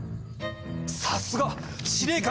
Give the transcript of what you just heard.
さすが！司令官！